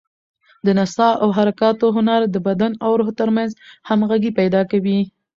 د نڅا او حرکاتو هنر د بدن او روح تر منځ همغږي پیدا کوي.